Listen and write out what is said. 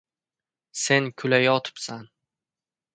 Sen kulayotibsan